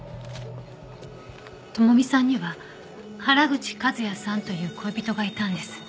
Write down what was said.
朋美さんには原口和也さんという恋人がいたんです。